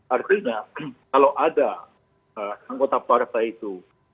artinya kalau ada anggota partai itu